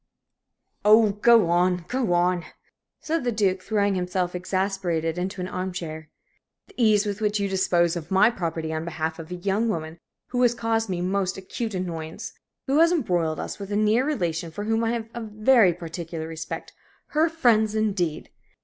"Oh, go on go on!" said the Duke, throwing himself exasperated into an arm chair; "the ease with which you dispose of my property on behalf of a young woman who has caused me most acute annoyance, who has embroiled us with a near relation for whom I have a very particular respect! Her friends, indeed!